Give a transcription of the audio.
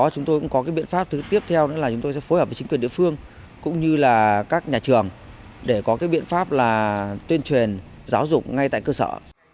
chúng tôi sẽ phối hợp với chính quyền địa phương cũng như các nhà trường để có biện pháp tuyên truyền giáo dục ngay tại cơ sở